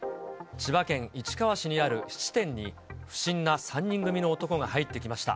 千葉県市川市にある質店に、不審な３人組の男が入ってきました。